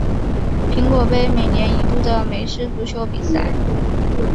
苹果杯每年一度的美式足球比赛。